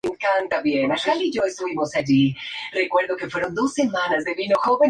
Tenía su sede en Montreal.